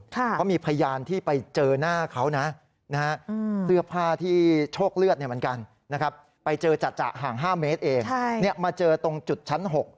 เพราะมีพยานที่ไปเจอหน้าเขานะเสื้อผ้าที่โชคเลือดเหมือนกันนะครับไปเจอจัดห่าง๕เมตรเองมาเจอตรงจุดชั้น๖